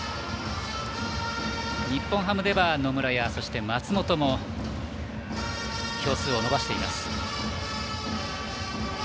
日本ハムは野村や松本も票数を伸ばしています。